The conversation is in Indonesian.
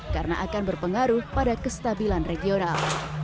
karena akan berpengaruh pada kestabilan regional